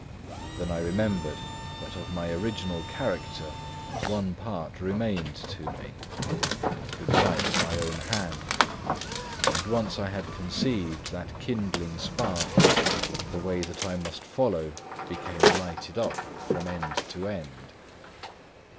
Then I remembered that of my original character, one part remained to me: I could write my own hand; and once I had conceived that kindling spark, the way that I must follow became lighted up from end to end.